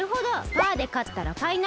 パーでかったらパイナップル。